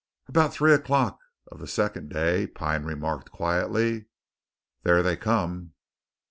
About three o'clock of the second day Pine remarked quietly: "Thar they come!"